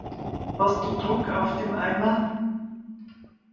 Hast du Druck auf dem Eimer?